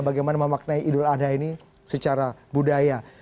bagaimana memaknai idul adha ini secara budaya